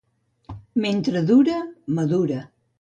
Mentre dura, madura.